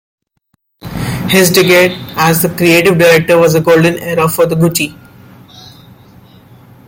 His decade as the creative director was a "golden era" for Gucci.